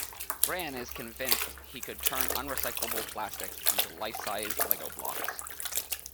Rayan is convinced he could turn unrecyclable plastics into life-sized Lego blocks.